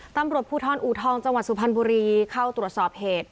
ตำรวจผู้ท่อนอูทองจสุพรรณบุรีเข้าตรวจสอบเหตุ